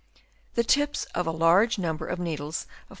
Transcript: The tips of a large number of needles of P.